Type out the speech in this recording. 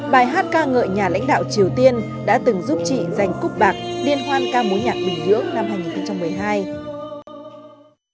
bài hát ca ngợi nhà lãnh đạo triều tiên đã từng giúp chị giành cúp bạc liên hoan ca mũ nhạc bình nhưỡng năm hai nghìn một mươi hai